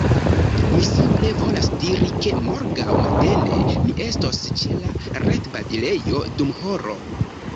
Mi simple volas diri ke morgaŭ matene mi estos ĉe la retbabilejo dum horo